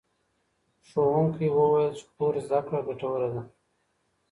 ښوونکی وویل چي کور زده کړه ګټوره ده.